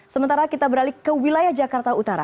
sementara kita beralih ke wilayah jakarta utara